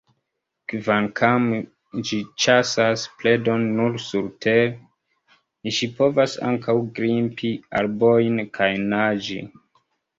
Kvankam ĝi ĉasas predon nur surtere, ĝi povas ankaŭ grimpi arbojn kaj naĝi.